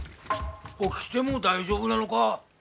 起きても大丈夫なのか？